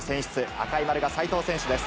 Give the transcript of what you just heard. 赤い丸が齋藤選手です。